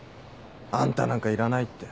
「あんたなんかいらない」って。